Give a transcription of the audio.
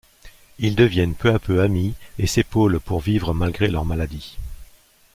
Ils deviennent peu à peu amis et s'épaulent pour vivre malgré leur maladie.